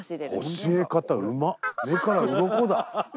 目からうろこだ。